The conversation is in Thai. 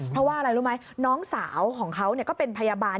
เพราะว่าอะไรรู้ไหมน้องสาวของเขาก็เป็นพยาบาล